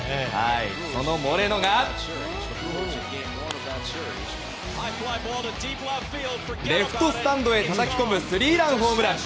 そのモレノがレフトスタンドへたたき込むスリーランホームラン！